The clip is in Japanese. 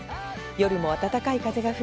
夜も暖かい風が吹